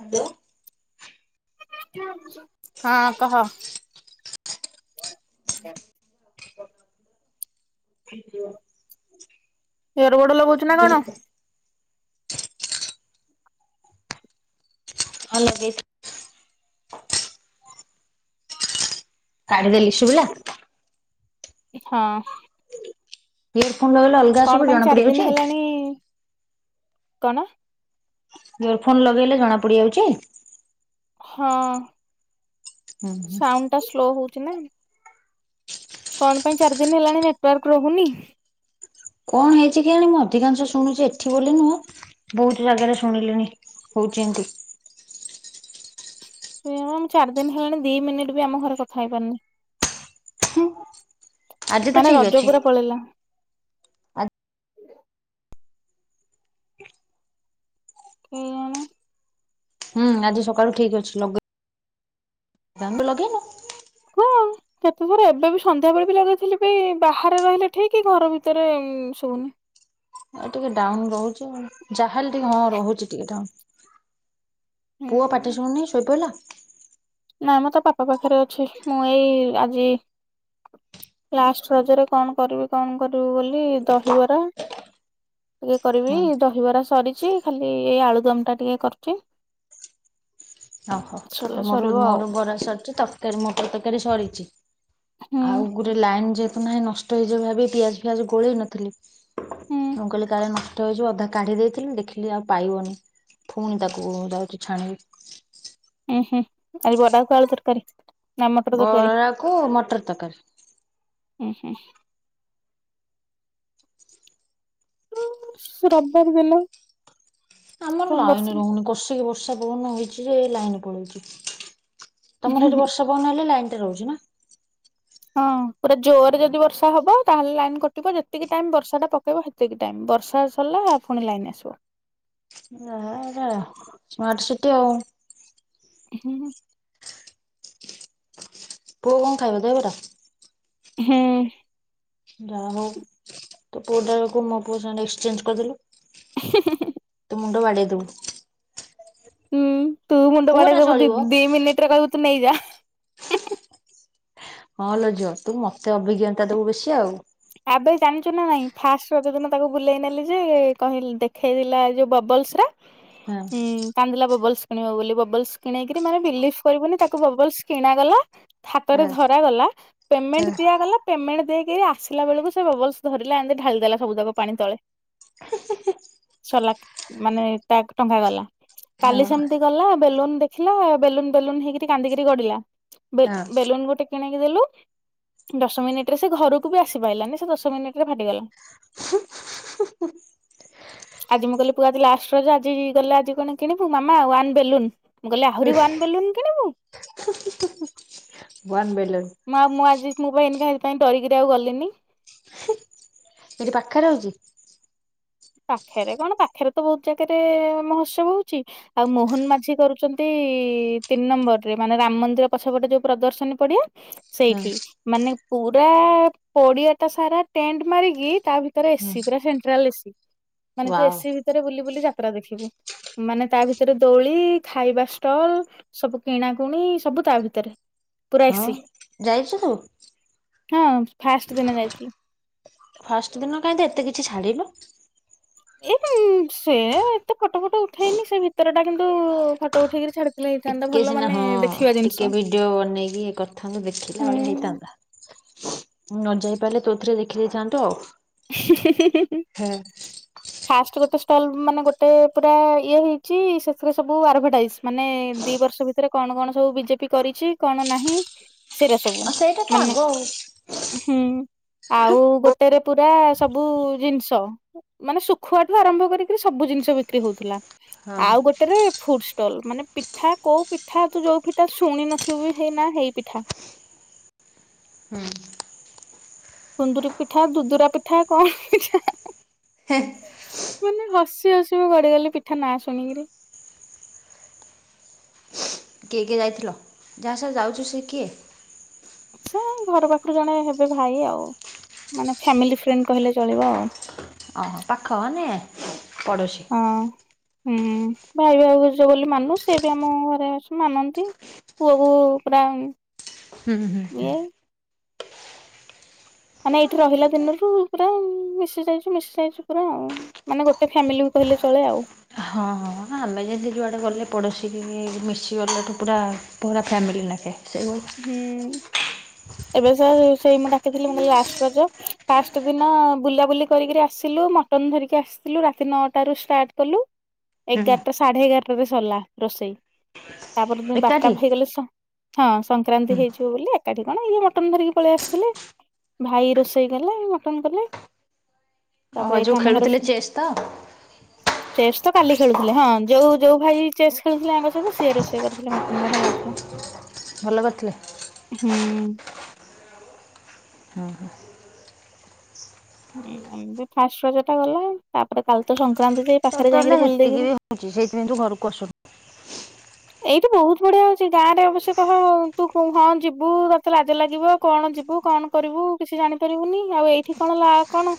Hello.. [inaudible] ହଁ କହ। [inaudible] ଇଅରବୋର୍ଡ ଲଗଉଛୁ ନା କଣ। ହଁ ହଁ ଲଗେଇଛି। କାଢିଦେଲି ଶୁଭିଲା। ହଁ। ୟରଫୋନ୍ ଲଗେଇଲେ ଅଲ। କଣପାଇଁ ଚାରିଦିନ ହେଲାଣି କଣ। ଇୟରଫୋନ ଲଗେଇଲେ ଜଣାପଡିଯାଉଛି। ହଁ ହୁଁ ସାଉଣ୍ଡଟା ସ୍ଲୋ ହଉଛିନା। କଣ ପାଇଁ ଚାରିଦିନ ହେଲାଣି ନେଟୱାର୍କ ରହୁନି। କଣ ହେଇଛି କେଜାଣି ମୁଁ ଅଧିକାଂଶ ଶୁଣୁଛି ଏଠି ବୋଲି ନୁହଁ। ବହୁତ ଜାଗାରେ ଶୁଣିଲିଣି ହୋଉଛି ଏମତି। [unintelligible] ଚାରିଦିନ ହେଲାଣି ଦିମିନିଟ୍ ବି ଆମଘରେ କଥାହେଇ ପାରନି। ହଁ। ମାନେ ରଜପୁରା ପଳେଇଲା। [unintelligible] ହୁଁ ଆଜି ସକାଳୁ ଠିକ୍ଅଛି ଲଗେ ଦାମ ଲଗେଇନୁ। ହଁ। କେତେଥର ଏବେବି ସନ୍ଧ୍ୟାବେଳେ ବି ଲାଗେଇଥିଲି ବି ବାହାରେ ରହିଲେ ଠିକି ଘର ଭିତରେ ଶଉୁନି। ଆଉ ଟିକେ ଡାଉନ ରହୁଛି ଆଉ ଯାହାେଲ ଟିକେ ହଁ ରହୁଛି ଟିକେ ଡାଉନ। ହୁଁ ପୁଅ ପାଟିଶୁଭୁନି ଶୋଇପଡ଼ିଲା। ନାମ ତା ପାପା ପାଖରେ ଅଛି ମୁଁ ଏଇ ଆଜି। ଲାଷ୍ଟରଜରେ କଣକରିବି କଣକରିବି ବୋଲି ଦହିବରା। ଇଏ କରିବି ହୁଁ ଦହିବରା ସରିଛି ଖାଲି ଏଇ ଆଳୁଦମ ଟା ଟିକେକରୁଛି। ଓହୋ ମୋର ମୋର ବରା ସରିଛି ତରକାରୀ ମଟର ତରକାରୀ ସରିଛି। ହୁଁ ଆଉ ଗୋଟେ ଲାଇନ୍ ଯେହେତୁ ନାହିଁ ନଷ୍ଟ ହେଇଯିବ ଭାବି ପିଆଜ ଫିଆଜ ଗୋଳେଇ ନଥିଲି। ହୁଁ ମୁ କହିଲି କାଳେ ନ। ଷ୍ଟ ହେଇଯିବ ଅଧା କାଢି ଦେଇଥିଲି ଦେଖିଲି ଆଉ ପାଇବନି ପୁଣି ତାକୁ ଯାଉଚି ଛାଣିବି। ଉଁ ହୁଁ ଆଜି ବରା କୁ ଆଳୁ ତରକାରୀ। ନା ମଟର ତରକାରୀ ବରାକୁ ମଟର ତରକାରୀ ହଁ ହିଁ। ରବିବାର ହେଲା। ଆମର ଲାଇନ୍ ରହୁନି କଷିକି ବର୍ଷା ପବନ ହୋଉଚି ଯେ ଲାଇନ୍ ପଳଉଚି। ତମର ଏଠି ବର୍ଷା ପବନ ହେଲେ ଲାଇନ୍ ଟା ରହୁଛି ନା। ହଁ ପୁରା ଜୋରରେ ଯଦି ବର୍ଷା ହବ ତାହେଲେ ଲାଇନ୍ କଟିବ ଯେତିକି ଟାଇମ ବର୍ଷା ଟା ପକେଇବ ହେ। ଏତିକି ଟାଇମ୍ ବର୍ଷା ସରିଲା ପୁଣି ଲାଇନ୍ ଆସିବ। ଯ ହେଟା ସ୍ମାର୍ଟ ସିଟି ଆଉ। ହୁଁ ପୁଅ କଣ ଖାଇବ ଦହିବରା? ହୁଁ ଯାହା ହଉ ତ ପୁଅଟାକୁ ମୋ ପୁଅ ସାଙ୍ଗେ ଏକ୍ସଚେଞ୍ଜ କରିଦେଲୁ ହୁଁହୁଁହୁଁ ତ ମୁଣ୍ଡ ବାଡ଼େଇ ଦବୁ ହୁଁ ତୁ ମୁଣ୍ଡ ପୁଅ ଟା ବାଡେଇଦବୁ ଚଳିବ ଦି ମିନିଟ୍ ରେ କହିବୁ ତୁ ନେଇଯା ହଁ ଲୋ ଝିଅ ତୁ ମତେ ଅଭିଜ୍ଞତା ଦବୁ ବେଶି ଆଉ ଆବେ ଜାଣିଛୁ ନା ନାଇଁ ଫାଷ୍ଟ ରଜ ଦିନ ତାକୁ ବୁଲେଇ ନେଲି ଯେ କହିଲି ଦେଖେଇଥିଲା ଯୋଉ ବବଲସ ର ହଁ ହୁଁ କାନ୍ଦିଲା ବବଲ୍ସ କିଣିବ ବୋଲି ବବଲ୍ସ କିଣୋଇକିରି ମାନେ ବିଲିଭ କରିବନି ତାକୁ ବବଲ୍ସ କିଣାଗଲା ହାତରେ ହଁ ଧରାଗଲା ହଁ ପେମେଣ୍ଟ ଦିଆଗଲା ପେମେଣ୍ଟ ଦେଇକିରି ଆସି ଲା ବେଳକୁ ସେ ବବଲ୍ସ ଧରିଲା ଏମିତି ଢାଳିଦେଲା ସବୁ ଯାକ ପାଣି ତଳେ ସାରିଲା ମାନେ ତା ଟଙ୍କା ଗଲା କାଲି ହଁ ସେମିତି ଗଲା ବେଲୁନ ଦେଖିଲା ବେଲୁନ ବେଲୁନ ହେଇକିରି କାନ୍ଦିକିରି ଗଡ଼ିଲା। ହଁ ବେଲୁ ବେଲୁନ ଗୋଟେ କିଣିକି ଦେଲୁ ଦଶ ମିନିଟରେ ସେ ଘରକୁ ବି ଆସ ଖି ପାଇଲାନି ସେ ଦଶ ମିନିଟରେ ଫାଟିଗଲା ହୁଁ ଆଜି ମୁଁ କହିଲି ପୁଅ ଆଜି ଲାଷ୍ଟ ରଜ ଆଜି ଗଲେ ଆଜି କଣ କିଣିବୁ ମାମା ୱାନ୍ ବେଲୁନ ମୁଁ କହିଲି ଆହୁରି ୱାନ୍ ବେଲୁନ କିଣିବୁ? [inaudible] ୱାନ୍ ବେଲୁନ୍ ମା ମୁଁ ଆଜି ମୁଁ କହିନି କାଇଁ ଡରିକିରି ଆଉ ଗଲିନି ଏଠି ପାଖରେ ହଉଚି ପାଖରେ କଣ ପାଖରେ ତ ବହୁତ ଜାଗାରେ ମହୋତ୍ସବ ହଉଛି। ଆଉ ମୋହନ ମାଝି କରୁଛନ୍ତି ତିନି ନମ୍ବର ରେ ମାନେ ରାମ ମନ୍ଦିର ପଛପଟେ ଯୋଉ ପ୍ରଦର୍ଶନୀ ପଡିଆ ହଁ ସେଇଠି ମାନେ ପୁରା ପଡିଆ ଟା ସାରା ଟେଣ୍ଟ ମାରିକି ତା ଭିତରେ ହଁ ଏସିି ପୁରା ସେଣ୍ଟ୍ରାଲ ଏସିି ମାନେ ତୁ ୱାଓ ଏସିି ଭିତରେ ବୁଲି ବୁଲି ଯାତ୍ରା ଦେଖିବୁ ମାନେ ତା ଭିତରେ ଦୋଳି ଖାଇବା ଷ୍ଟଲ ସବୁ କିଣାକୁଣି ସବୁ ତା ଭିତରେ ପୁରା ହଁ ଏସି ଯାଇଛୁ ତୁ? ହଁ ଫାଷ୍ଟ ଦିନ ଯାଇଥିଲି। ଫାଷ୍ଟ ଦିନ କାହିଁ ତ ଏତେ କିଛି ଛାଡ଼ିନୁ ଏ ସେ ଏତେ ଫଟୋ ଫଟ ଉଠେଇନି ସେ ଭିତର ଟା କିନ୍ତୁ ଫଟ ଉଠେଇକିରି ଛାଡି ଟିକେ ସିନା ହଁ ଟିକେ ଭିଡିଓ ବନେଇକି କରିଥାନ୍ତୁ ଦେଖିଲା ହୁଁ। ଭଳିଆ ହେଇଥାନ୍ତା ନ ଯାଇ ପାରିଲେ ତୋଥିରେ ଦେଖିଦେଇ ଥାନ୍ତୁ ଆଉ ହଁ [inaudible] ଫାଷ୍ଟ ଗୋଟେ ଷ୍ଟଲ୍ ମାନେ ଗୋଟେ ପୁରା ଇଏ ହେଇଛି ସେଥିରେ ସବୁ ଆଡ଼ଭର୍ଟାଇଜ ମାନେ ଦି ବର୍ଷ ଭିତରେ କଣ କଣ ସବୁ ବିଜେପି କରିଛି କଣ ନାହିଁ। ସେଇଟା ସବୁ ଆଉ ସେଇଟା ତ ଆଗ ମାନେ ଆଉ ହୁଁ ଆଉ ଗୋଟେ ପୁରା ସବୁ ଜିନିଷ ମାନେ ଶୁଖୁଆଠୁ ଆରମ୍ଭ କରିକିରି ସବୁ ଜିନିଷ ବିକ୍ରି ହଉଥିଲା। ହଁ ଆଉ ଗୋଟେ ରେ ଫୁଡ ଷ୍ଟଲ୍ ମାନେ ପିଠା କୋଉ ପିଠା ତୁ ଯୋଉ ପିଠା ଶୁଣି ନଥିବ ହେଇନା ହେଇ ପିଠା। ହଁ କୁନ୍ଦୁରି ପିଠା ଦୁଦୁରା ପିଠା କଣ ପିଠା ହା ମାନେ ହସି ହସି ମୁଁ ଗଡିିଗଲି ପିଠା ନାଁ ଶୁଣିକି। କିଏ କିଏ ଯାଇଥିଲ ଯାହାସ ଯାଉଛ ସେ କିଏ? ଆଛା ଘର ପାଖରୁ ଜଣେ ହେବେ ଭାଇ ଆଉ ମାନେ ଫ୍ୟାମିଲି ଫ୍ରେଣ୍ଡ କହିଲେ ଚଳିବ ଆଉ। ଅ ପାଖ ମାନେ ପଡ଼ୋଶୀ। ହଁ ହୁଁ ଭାଇ ଭାଉଜ ବୋଲି ମାନୁ ସେି ବି ଆମ ଘରେ ଆସ ମାନନ୍ତି। ପୁଅ ବୋହୂ ପୁରା ହୁଁ। ଇଏ ମାନେ ଏଇଠି ରହିଲା ଦିନରୁ ପୁରା ମିଶି ଯାଇଛୁ ମିଶି ଯାଇଛୁ ପୁରା ଆଉ। ମାନେ ଗୋଟେ ଫ୍ୟାମିଲି ବି କହିଲେ ଚଳେ ଆଉ। ହଁ ହଁ ଆମର୍ଜେନ୍ସି ଯୁଆଡ଼େ ଗଲେ ପଡ଼ୋଶୀ ମିଶିଗଲାଠୁ ପୁରା ପୁରରା ଫ୍ୟାମିଲି ନଖେ। ସେ [unintelligible] ହୁଁ। ଏବେ ସ ସେଇ ମୁଁ ଡାକଥିଲି ମୁ କ ଲାଷ୍ଟ ରଜ ଫାଷ୍ଟ ଦିନ ବୁଲାବୁଲି କରିକରି ଆସିଲୁ ମ ଅଟନ ଧରିକି ଆସିଥିଲୁ ରାତି ନଅଟାରୁ ଷ୍ଟାର୍ଟ କଲୁ। ହୁଁ ଏଗାରଟା ସାଢ଼େ ଏଗାରଟାରେ ସରିଲା ରୋଷେଇ। ତାପରେ ଦମେ ବାରଟା ଏକାଠି ହେଇଗଲେ ହଁ ସଂକ୍ରାନ୍ତି ହୁଁ ହେଇଯିବ ବୋଲି। ଏକାଠି କଣ ଇଏ ମଟନ ଧରିକି ପଳେଇ ଆସିଥିଲେ ଭାଇ ରୋଷେଇ କଲେ ମଟନ କଲେ ଆଉ ତାପରେ ଏଇଠି ଯୋଉ ଆମ ଖେଳୁଥିଲେ [unintelligible] ଚେସ୍ ତ ଚେସ୍ ତ କାଲି ଖେଳୁଥିଲେ ହଁ ଯୋଉ ଯୋଉ ଭାଇ ଚେସ୍ ଖେଳୁଥିଲେ ଆଙ୍କ ସହିତ ସିଏ ରୋଷେଇ କରିଥିଲେ ମଟନ ବଢିଆ ଲାଗୁଥିଲା। ଭଲ କରିଥିଲେ? ହୁଁ। ହଁ ହଁ। ହୁଁ ଏମତି ଫାଷ୍ଟ ରଜା ଟା ଗଲା ତାପରେ କାଲି ତ ସଂକ୍ରାନ୍ତି ଯାଇ ତୋର ତ ପାଖରେ ହେଲେ ଯାଇକିରି ବୁଲି ହେତିକି ଦେଇକି। ବି ହଉଛି ସେଇଥିପାଇଁ ତୁ ଘରକୁ ଆସୁ ଏଇତ ବହୁତ ବଢିଆ ହଉଛି ଗାଁ ରେ ଅବଶ୍ୟ କହ ତୁ ହଁ ଯିବୁ ତତେ ଲାଜ ଲାଗିବ କଣ ଯିବୁ କଣ କରିବୁ କିଛି ଜାଣିପାରିବୁନି ଆଉ ଏଇଠି କଣ କଣ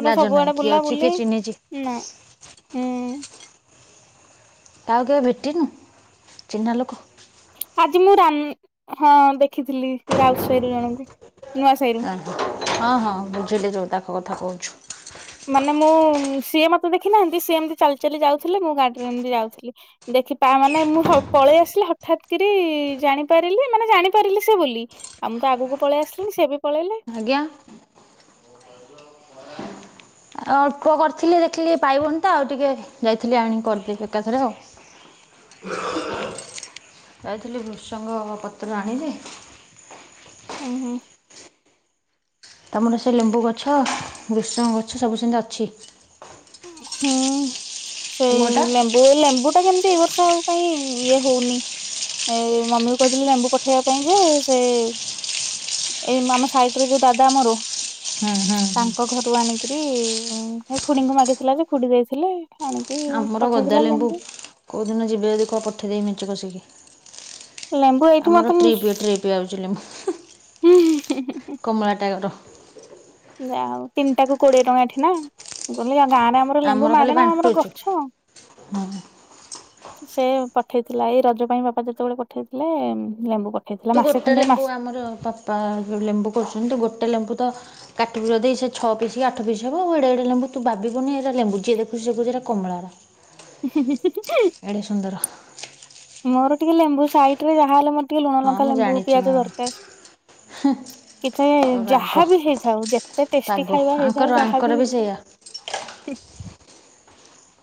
ପୁଣି ଲାଜ ନାହିଁ ସବୁଆଡେ କିଏ ବୁଲା ଅଛି କିଏ ବୁଲି ଚିହ୍ନିଛି ନା ହୁଁ ତା ଆଉ କେବେ ଭେଟିିନୁ ଚିହ୍ନା ଲୋକ ଆଜି ମୁଁ ହଁ ଦେଖିଥିଲି ରାଉ ସାହିରୁ ଜଣଙ୍କୁ ନୂଆ ସାହିର। ଓ ହ ହଁ ହଁ ବୁଝିଲେ ଯେଉଁ ତାକ କଥା କହୁଛୁ। ମାନେ ମୁଁ ସିଏ ମତେ ଦେଖିନାହାନ୍ତି ସିଏ ଏମିତି ଚାଲି ଚାଲି ଯାଉଥିଲେ ମୁଁ ଗାଡିରେ ଏମିତି ଯାଉଥିଲି। ଦେଖି ମାନେ ମୁଁ ପଳେଇ ଆସିଲି ହଠାତ୍ କରି ଜାଣିପାରିଲି ମାନେ ଜାଣିପାରିଲି ସେ ବୋଲି ଆ ମୁଁ ତ ଆଗକୁ ପଳେଇ ଆସିଲିଣିି ସେ ବି ପଳେଇଲେ। ଆଜ୍ଞା ଆଉ ଅଳ୍ପ କରିଥିଲି ଦେଖିଲି ପାଇବନି ତ ଆଉ ଟିକେ ଯାଇଥିଲି ଆଣିକି କରିଦେି ଏକାଥରେ ଆଉ। [inaudible] ଯାଇଥିଲି ବୃଷଙ୍ଗ ପତ୍ର ଆାଣିଲି ହୁଁ ହୁଁ। ତାପ ସେ ଲେମ୍ବୁ ଗଛ ଗୃଷମ ଗଛ ସବୁ ସେମିତି ଅଛି। ହୁଁ ସେଇ କୂଅଟା ଲ ବୋ ଲେମ୍ବୁ ଟା କେମିତି ଏଇ ବର୍ଷ ଆଉ କାଇ ଇଏ ହଉନି। ଏ ମମି କ କହିଥିଲି ଲେମ୍ବୁ ପଠେଇବା ପାଇଁ ଯେ ସେ ଏଇ ଆମ ସାଇଟ ରେ ଯୋଉ ଦାଦା ଆମର ହୁଁ ହୁଁ ହୁଁ। ଙ୍କ ଘରୁ ଆଣିକିରି, ହେ ଖୁଡିଙ୍କୁ ମାଗିଥିଲା ଯେ ଖୁଡି ଯାଇଥିଲେ। ଆଣିକି ପଠେଇଥିଲା ଲେମ୍ବୁ। କଉଦିନ ଯିବେ ଯଦି କହ ପଠେଇଦେବି ମେଞ୍ଚେ କଷିକି, ଲେମ୍ବୁ ଏଇଠି ଆମର ମତେ ଟ୍ରିପ୍ ଇଏ ଟ୍ରିପ୍ [unintelligible] ମୁଁ କମଳା ଟାଗର ଯାଉ ତିନିଟା କୁ କୋଡିଏ ଟଙ୍କା ଏଠି ନା? ଗୋଲି ଆ ଗାଁ ରେ ଆମର ଲେମ୍ବୁ ଖାଲି ମାଗଣା, ଆମର ବାଣ୍ଟୁଚୁ। ଗଛ ହଁ। ସେ ପଠେଇଥିଲା, ଏଇ ରଜ ପାଇଁ ବାପା ଯେତେବେଳେ ପଠେଇଥିଲେ, ଲେମ୍ବୁ ପ ତୁ ଗୋଟେ ଲେମ୍ବୁ ଆମର ବାପା ଲେମ୍ବୁ କରୁଛନ୍ତି ତୁ ଗୋଟେ ଲେମ୍ବୁ ତ କାଟିବୁ ଯଦି ସେଇ ଛଅ ପିସି କି ଆଠ ପିସି ହବ, ଆଉ ଏଡେ ଏଡେ ଲେମ୍ବୁ ତୁ ଭାବିବୁନି ଏରା ଲେମ୍ବ, ଯିଏ ଦେଖୁିଛି ସିଏ କହୁଚି ଏରା କମଳା ରା। [unintelligible] ମୋର ଟିକେ ଲେମ୍ବୁ ସାଇଟରେ ଯାହାହଲେ ମ ଟିକେ ଲୁଣ ହଁ ଲଙ୍କା ମୁଁ ଲେମ୍ବୁ, ଜାଣିଚି ପିଆଜ ଦରକାର। ହଁ। କିଛି, ତୋର ରାଗ। ଯାହା ବି ହେଇଥାଉ ଯେତେ ଟେଷ୍ଟି ପାଗ ଖାଇବା ଆଙ୍କର ହେଇଥାଉ, ଯାହା ଆଙ୍କର ବି ହେଇଥାଉ। ସେଇଆ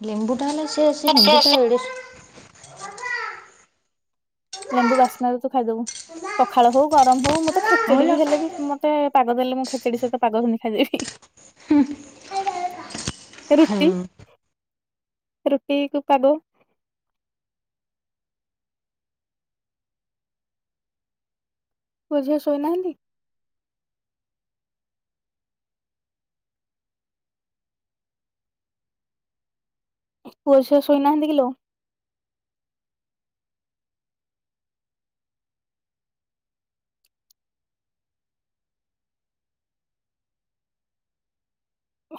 ଲେମ୍ବୁଟା ହେଲେ ସେ ସେ ଲେମ୍ବୁଟା ଏଡେ ଲେମ୍ବୁ ବାସ୍ନାରୁ ତୁ ଖାଇଦବୁ। ପଖାଳ ହଉ ଗରମ ହଉ ମୁଁତ ତ ଖେଚେଡି ବି ଏଡ଼େ ହେଲେ ବି ମତେ ପାଗ ଦେଲେ ମୁଁ ଖେଚେଡି ସହିତ ପାଗ ସୁନି ଖାଇଜିବି। ହୁଁ। ରୁଟି, ରୁଟିକୁ ପାଗ। ପୁଅ ଝିଅ ଶୋଇନାହାନ୍ତି? ପୁଅ ଝିଅ ଶୋଇନାହାନ୍ତି କିିଲୋ?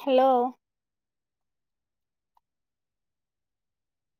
ହ୍ୟାଲୋ।